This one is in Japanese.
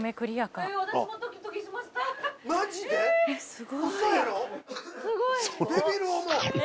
すごい！